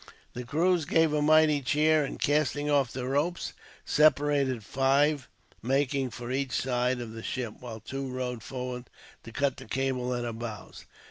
The crews gave a mighty cheer and, casting off the ropes, separated; five making for each side of the ship, while two rowed forward to cut the cables at her bows.